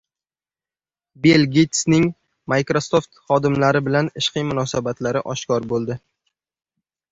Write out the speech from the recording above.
Bill Geytsning Microsoft xodimlari bilan ishqiy munosabatlari oshkor bo‘ldi